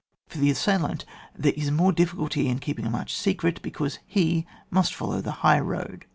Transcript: Por the assailant, there is more difficulty in keeping a march secret, because he must follow the high road.